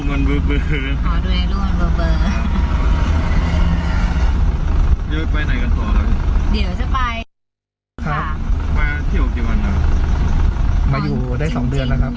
อ้าวก็มาแล้วก็ตามสัญญาค่ะตามสัญญา